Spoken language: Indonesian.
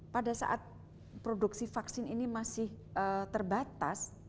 pada saat produksi vaksin ini masih terbatas